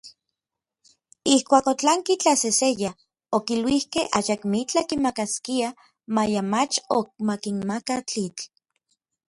Ijkuak otlanki tlaseseya, okiluikej ayakmitlaj kimakaskiaj maya mach ok makinmaka tlitl.